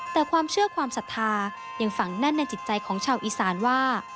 แต่ความเชื่อความศรัทธายังฝังแน่นในจิตใจของชาวอีสานว่า